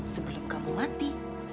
sebelum kamu mati